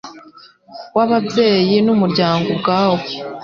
w Ababyeyi n umuryango ubwawo